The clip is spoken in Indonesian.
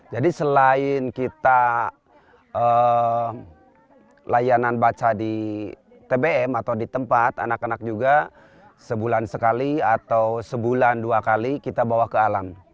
selain kita layanan baca di tbm atau di tempat anak anak juga sebulan sekali atau sebulan dua kali kita bawa ke alam